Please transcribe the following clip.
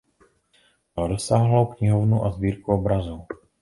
Měl rozsáhlou knihovnu a sbírku obrazů.